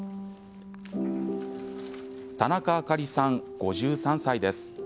田中あかりさん、５３歳です。